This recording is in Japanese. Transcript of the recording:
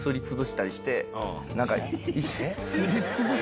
すり潰す？